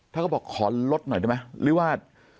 เขาบอกขอลดหน่อยได้ไหมหรือว่า